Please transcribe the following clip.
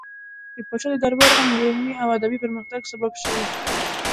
د پاچا د دربار غونډې د علمي او ادبي پرمختګ سبب شوې.